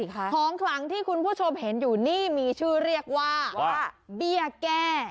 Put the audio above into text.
ของขลังที่คุณผู้ชมเห็นอยู่นี่มีชื่อเรียกว่าเบี้ยแก้